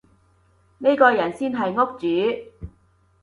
呢個人先係屋主